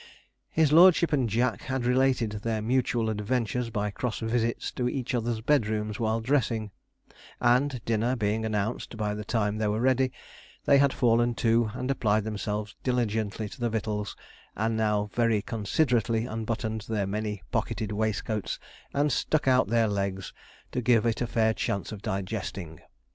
His lordship and Jack had related their mutual adventures by cross visits to each other's bedrooms while dressing: and, dinner being announced by the time they were ready, they had fallen to, and applied themselves diligently to the victuals, and now very considerately unbuttoned their many pocketed waistcoats and stuck out their legs, to give it a fair chance of digesting.